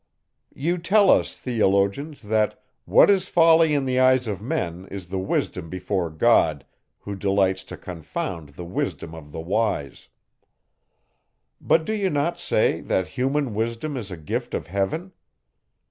You tell us, theologians! that what is folly in the eyes of men, is wisdom before God, who delights to confound the wisdom of the wise. But do you not say, that human wisdom is a gift of heaven?